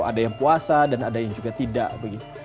ada yang puasa dan ada yang juga tidak begitu